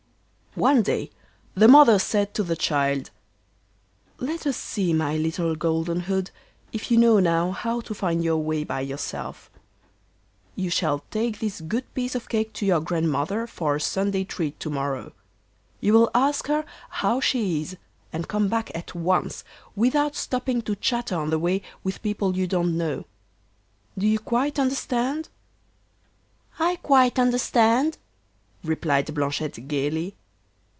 One day the mother said to the child: 'Let us see, my little Golden hood, if you know now how to find your way by yourself. You shall take this good piece of cake to your Grandmother for a Sunday treat to morrow. You will ask her how she is, and come back at once, without stopping to chatter on the way with people you don't know. Do you quite understand?' 'I quite understand,' replied Blanchette gaily.